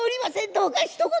どうかひと言。